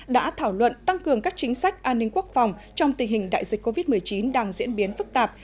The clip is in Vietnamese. đã thảo luận tăng cường các chính sách an ninh quốc phòng trong tình hình đại dịch covid một mươi chín đang diễn biến phức tạp